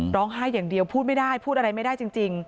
ร้องไห้อย่างเดียวพูดไม่ได้พูดอะไรไม่ได้จริง